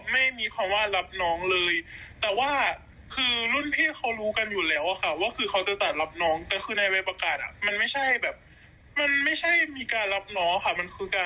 มันต้องฝ่ายช่วยเหลือจริงค่ะ